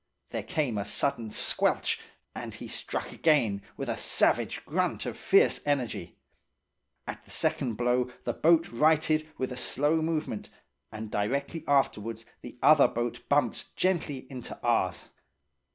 There came a sudden squelch, and he struck again, with a savage grunt of fierce energy. At the second blow the boat righted with a slow movement, and directly afterwards the other boat bumped gently into ours.